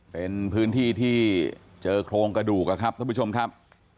เป็นพื้นที่ที่เจอโครงกระดูกครับท่านผู้ชมครับ